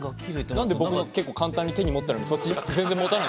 なんで僕の結構簡単に手に持ったのにそっち。